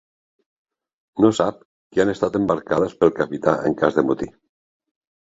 No sap que han estat embarcades pel capità en cas de motí.